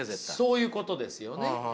そういうことですよね。